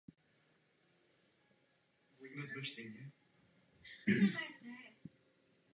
Nezbytná je existence dostatečně velké vodní plochy a vhodných geomorfologických podmínek okolního terénu.